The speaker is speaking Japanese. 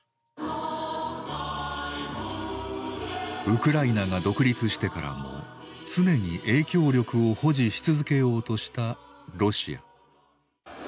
ウクライナが独立してからも常に影響力を保持し続けようとしたロシア。